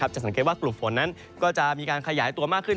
จะสังเกตว่ากลุ่มฝนนั้นก็จะมีการขยายตัวมากขึ้น